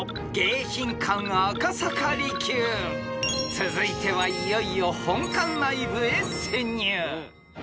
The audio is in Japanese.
［続いてはいよいよ本館内部へ潜入］